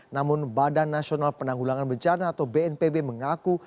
namun badan nasional penanggulangan bencana atau bnpb mengaku